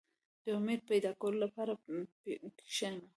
• د امید د پیدا کولو لپاره کښېنه.